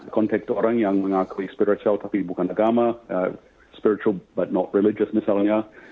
konteks orang yang mengakui spiritual tapi bukan agama spiritual but not religious misalnya